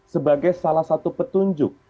sebagai salah satu petunjuk